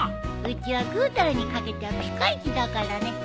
うちはグータラにかけてはピカイチだからね。